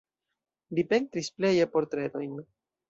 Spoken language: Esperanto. Li pentris pleje portretojn.